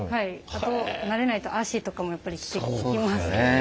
あと慣れないと足とかもやっぱりきます。